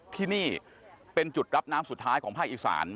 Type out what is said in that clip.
ที่นี่เป็นจุดรับน้ำสุดท้ายของภาคอีสาน